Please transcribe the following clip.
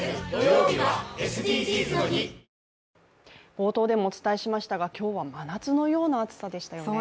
冒頭でもお伝えしましたが今日は真夏のような暑さでしたよね。